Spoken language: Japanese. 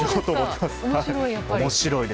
面白い？